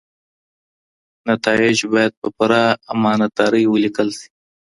نتایج باید په پوره امانتدارۍ ولیکل سي.